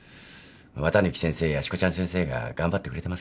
綿貫先生やしこちゃん先生が頑張ってくれてますから。